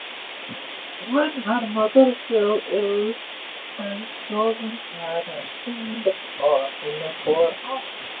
When her mother fell ill, Chenoa had to stand in for her.